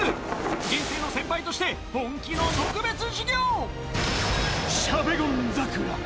人生の先輩として本気の特別授業さぁ！